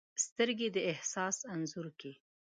سترګې د احساس انځور کښي